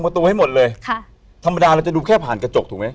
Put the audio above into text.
ตัวให้หมดเลยค่ะธรรมดาเราจะดูแค่ผ่านกระจกถูกไหม